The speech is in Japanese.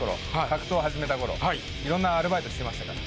格闘始めたころいろんなアルバイトしてましたから。